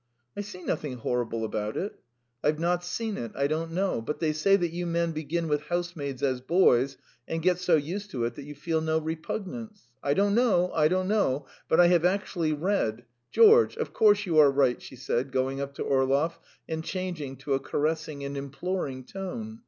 "I see nothing horrible about it." "I've not seen it; I don't know; but they say that you men begin with housemaids as boys, and get so used to it that you feel no repugnance. I don't know, I don't know, but I have actually read .. .George, of course you are right," she said, going up to Orlov and changing to a caressing and imploring tone.